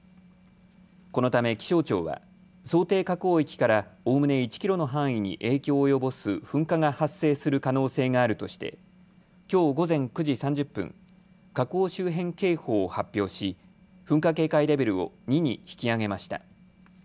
このため気象庁は想定火口域からおおむね１キロの範囲に影響を及ぼす噴火が発生する可能性があるとしてきょう午前９時３０分火口周辺警報を発表し噴火警戒レベルを２に引き上げました。